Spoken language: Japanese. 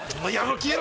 消えろ！